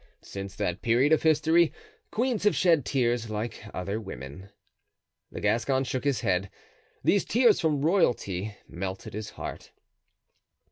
Since that period of history queens have shed tears, like other women. The Gascon shook his head, these tears from royalty melted his heart.